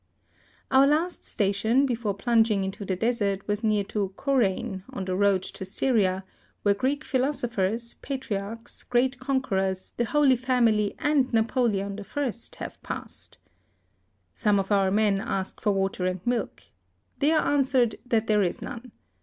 Our last station, before plunging into the desert, was near to Korein, on the road to Sytia, where Greek philosophers, patriarchs, great conquerors, the Ho]y Family, and Na poleon I. have passed. Some of our men ask for water and milk. They are answer ed that there is none.